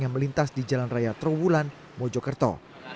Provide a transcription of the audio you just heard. yang melintas di jalan raya trawulan mojokerto